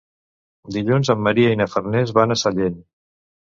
Dilluns en Maria i na Farners van a Sellent.